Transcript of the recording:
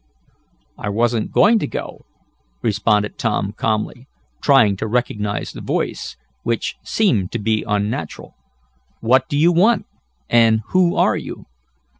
"I wasn't going to go," responded Tom calmly, trying to recognize the voice, which seemed to be unnatural. "What do you want, and who are you?"